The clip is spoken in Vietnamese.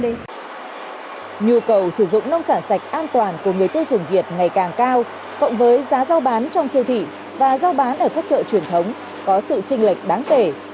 rau sử dụng nông sản sạch an toàn của người tiêu dùng việt ngày càng cao cộng với giá rau bán trong siêu thị và rau bán ở các chợ truyền thống có sự trình lệch đáng tể